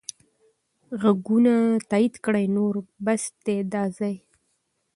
ږغونه تایید کړئ نور بس دی دا ځای.